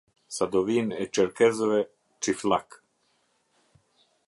Sadovinë e Çerkezëve Çiflak.